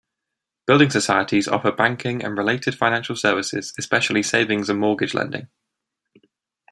Building societies offer banking and related financial services, especially savings and mortgage lending.